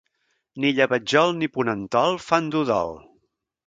Ni llebetjol ni ponentol fan dur dol.